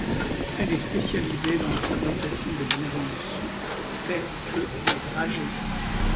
Elle est spécialisée dans la fabrication de bonbons en sucre tels que des dragées.